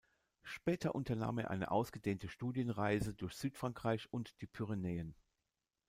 Später unternahm er eine ausgedehnte Studienreise durch Südfrankreich und die Pyrenäen.